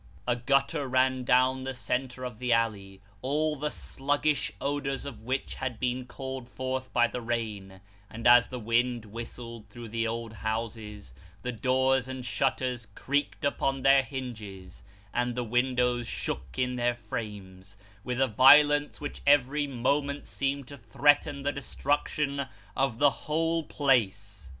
A gutter ran down the centre of the alley all the sluggish odours of which had been called forth by the rain ; and as the wind whistled through the old houses, the doors and shutters creaked upon their hinges, and the windows shook in their frames, with a violence which every moment seemed to threaten the destruction of the whole place.